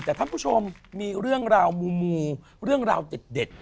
แต่ท่านผู้ชมมีเรื่องราวมูเรื่องราวเด็ด